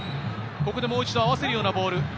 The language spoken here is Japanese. ここでもう一度、合わせるようなボール。